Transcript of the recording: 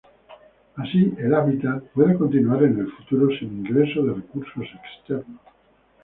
Así, el hábitat puede continuar en el futuro sin ingreso de recursos externos.